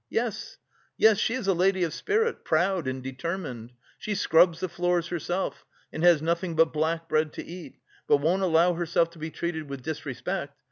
Yes, yes, she is a lady of spirit, proud and determined. She scrubs the floors herself and has nothing but black bread to eat, but won't allow herself to be treated with disrespect.